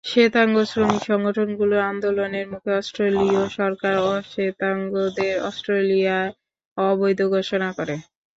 শ্বেতাঙ্গ শ্রমিক সংগঠনগুলোর আন্দোলনের মুখে অস্ট্রেলীয় সরকার অশ্বেতাঙ্গদের অস্ট্রেলিয়ায় অবৈধ ঘোষণা করে।